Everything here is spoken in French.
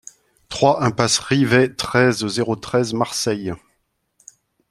trois impasse Rivet, treize, zéro treize, Marseille